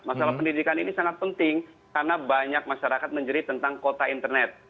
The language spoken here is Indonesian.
masalah pendidikan ini sangat penting karena banyak masyarakat menjerit tentang kota internet